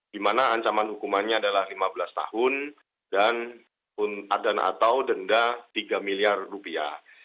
dimana ancaman hukumannya adalah lima belas tahun dan adan atau denda tiga miliar rupiah